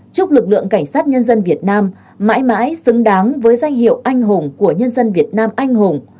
chúc lực lượng cảnh sát nhân dân việt nam mãi mãi xứng đáng với danh hiệu anh hùng của nhân dân việt nam anh hùng